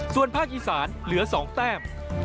ส่วนภาคอีสานเหลือ๒แต้ม